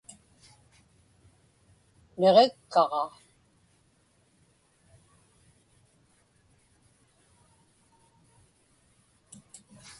Niġikkaġa.